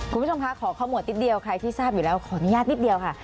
คุณผู้ชมคะขอข้อมูลนิดเดียวใครที่ทราบอยู่แล้วขออนุญาตนิดเดียวค่ะ